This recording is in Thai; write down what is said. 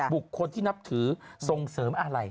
บุคคลที่นับถือส่งเสริมอะไร